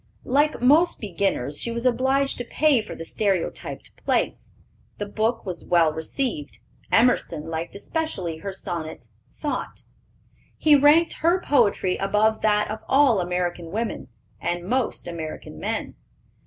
Like most beginners, she was obliged to pay for the stereotyped plates. The book was well received. Emerson liked especially her sonnet, Thought. He ranked her poetry above that of all American women, and most American men.